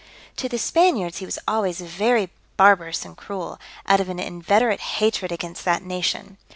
To the Spaniards he was always very barbarous and cruel, out of an inveterate hatred against that nation.